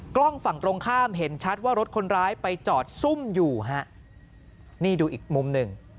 กล้องฝั่งตรงข้ามเห็นชัดว่ารถคนร้ายไปจอดซุ่มอยู่ฮะนี่ดูอีกมุมหนึ่ง